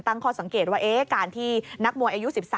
ตั้งข้อสังเกตว่าการที่นักมวยอายุ๑๓